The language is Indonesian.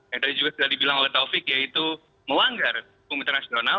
yang tadi juga sudah dibilang oleh taufik yaitu melanggar hukum internasional